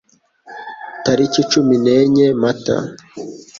tariki cumi nenye Mata,